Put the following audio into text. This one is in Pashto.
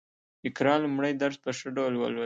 اقرا لومړی درس په ښه ډول ولوست